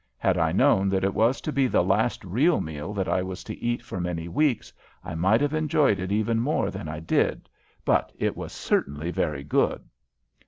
Had I known that it was to be the last real meal that I was to eat for many weeks I might have enjoyed it even more than I did, but it was certainly very good.